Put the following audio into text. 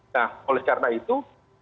nah oleh karena itu